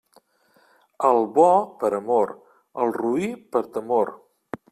Al bo per amor, al roí per temor.